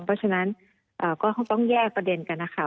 เพราะฉะนั้นก็ต้องแยกประเด็นกันนะคะ